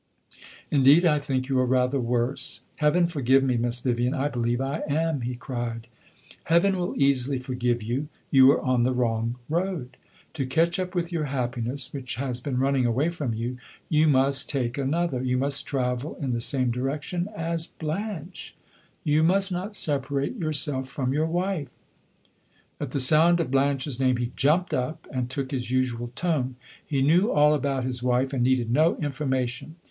Indeed, I think you are rather worse.' 'Heaven forgive me, Miss Vivian, I believe I am!' he cried. 'Heaven will easily forgive you; you are on the wrong road. To catch up with your happiness, which has been running away from you, you must take another; you must travel in the same direction as Blanche; you must not separate yourself from your wife.' At the sound of Blanche's name he jumped up and took his usual tone; he knew all about his wife, and needed no information.